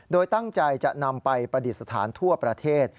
โดยตั้งใจจะนำไปประดิษฐานทั่วประเทศ